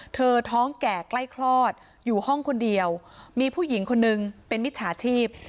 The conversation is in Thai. ท้องแก่ใกล้คลอดอยู่ห้องคนเดียวมีผู้หญิงคนนึงเป็นมิจฉาชีพ